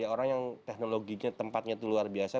orang yang teknologinya tempatnya itu luar biasa